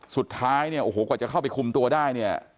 สุดท้ายเนี่ยโอ้โหกว่าจะเข้าไปคุมตัวได้เนี่ย